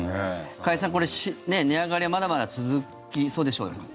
加谷さん、値上がりはまだまだ続きそうでしょうか。